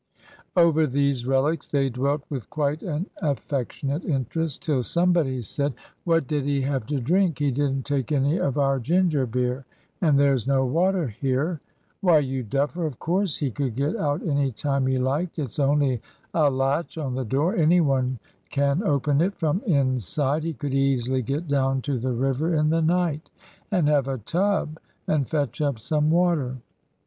Over these relics they dwelt with quite an affectionate interest, till somebody said "What did he have to drink? He didn't take any of our ginger beer, and there's no water here." "Why, you duffer, of course he could get out any time he liked. It's only a latch on the door; any one can open it from inside. He could easily get down to the river in the night, and have a tub, and fetch up some water."